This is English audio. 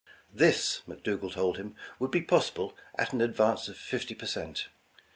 This, McDougal told him, would be possible at an advance of fifty per cent.